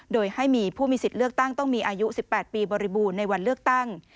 โดยให้มีผู้มีสิทธิ์เลือกตั้งต้องมีอายุ๑๘ปีบริบูรณ์ในวันเลือกตั้ง